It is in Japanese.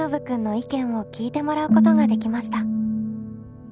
君の意見を聞いてもらうことができました。